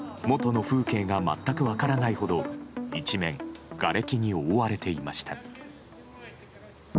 もとの風景が全く分からないほど一面、がれきに覆われていました。